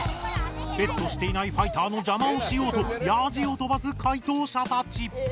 ベットしていないファイターのじゃまをしようとヤジをとばす解答者たち！